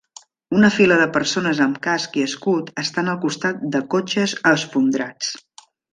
Una fila de persones amb casc i escut estan al costat de cotxes esfondrats.